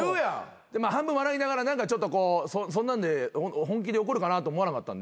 半分笑いながらちょっとそんなんで本気で怒るかなと思わなかった。